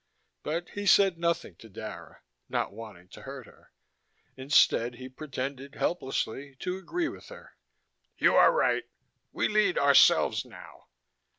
But he said nothing to Dara, not wanting to hurt her. Instead, he pretended, helplessly, to agree with her: "You are right. We lead ourselves now."